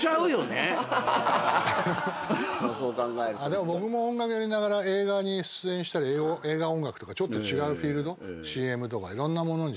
でも僕も音楽やりながら映画に出演したり映画音楽とかちょっと違うフィールドＣＭとかいろんなものにチャレンジして。